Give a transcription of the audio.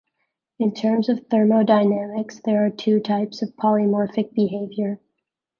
In terms of thermodynamics, there are two types of polymorphic behaviour.